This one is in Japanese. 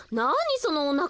そのおなか。